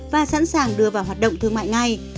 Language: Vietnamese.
và sẵn sàng đưa vào hoạt động thương mại ngay